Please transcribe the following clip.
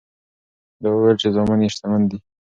ده وویل چې زامن یې شتمن دي.